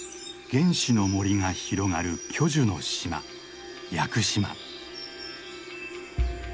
原始の森が広がる巨樹の島屋久島。